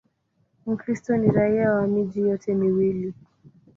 Mkristo ni raia wa miji yote miwili.